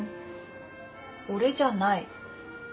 俺じゃない。